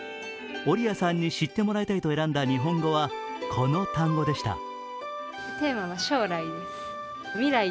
オリアさんに知ってもらいたいと選んだ日本語は、この単語でした。